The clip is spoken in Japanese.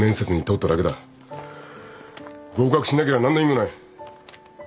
合格しなけりゃ何の意味もない。